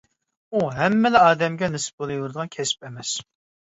ئۇ ھەممىلا ئادەمگە نېسىپ بولۇۋېرىدىغان كەسىپ ئەمەس.